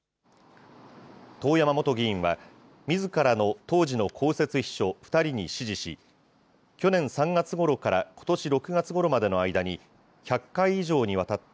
遠山元議員は、みずからの当時の公設秘書２人に指示し、去年３月ごろからことし６月ごろまでの間に、１００回以上にわたって、